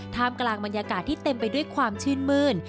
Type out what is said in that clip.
กลางบรรยากาศที่เต็มไปด้วยความชื่นมื้น